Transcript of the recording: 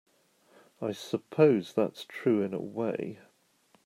I suppose that's true in a way.